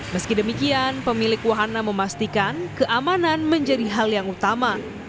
meski demikian pemilik wahana memastikan keamanan menjadi hal yang utama